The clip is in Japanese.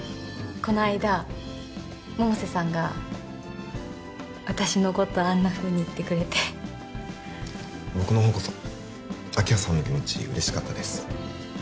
この間百瀬さんが私のことあんなふうに言ってくれて僕の方こそ明葉さんの気持ち嬉しかったです